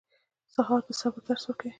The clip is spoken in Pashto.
سهار د صبر درس ورکوي.